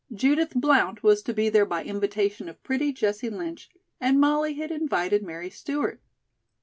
Judith Blount was to be there by invitation of pretty Jessie Lynch, and Molly had invited Mary Stewart.